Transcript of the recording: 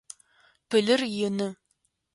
Пылыр ины.